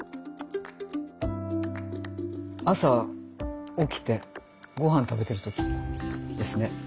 朝起きてご飯食べてる時ですね。